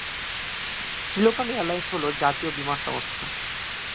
Sri Lankan airlines হল জাতীয় বিমান সংস্থা।